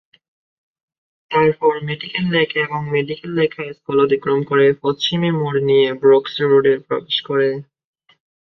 তারপর medical lake এবং medical lake high school অতিক্রম করে পশ্চিমে মোড় নিয়ে ব্রুকস রোডে প্রবেশ করে।